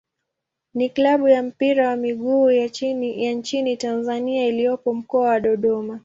ni klabu ya mpira wa miguu ya nchini Tanzania iliyopo Mkoa wa Dodoma.